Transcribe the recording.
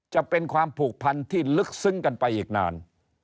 จะเป็นความผูกพันที่ลึกซึ้งกันไปอีกนาน